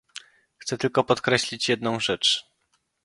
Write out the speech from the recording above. Chcę tylko podkreślić jedną rzecz